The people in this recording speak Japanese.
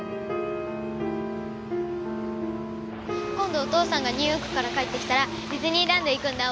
今度お父さんがニューヨークから帰ってきたらディズニーランド行くんだ。